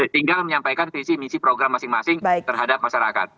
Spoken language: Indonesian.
tinggal menyampaikan visi misi program masing masing terhadap masyarakat